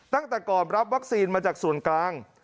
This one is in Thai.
ตั้งแต่ก่อนรับวัคซีนมาจากส่วนกลาง